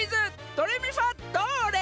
ドレミファどれ？」